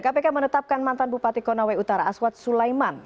kpk menetapkan mantan bupati konawe utara aswad sulaiman